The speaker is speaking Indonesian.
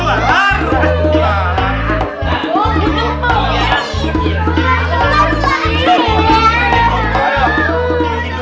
buka buka buka